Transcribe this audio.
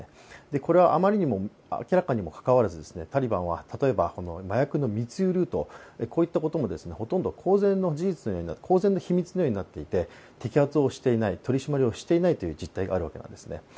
これはあまりにも明らかにもかかわらずタリバンは麻薬の密輸ルート、こういったこともほとんど公然の秘密のようになっていて、摘発をしていない、取締りをしていない実態があるわけです。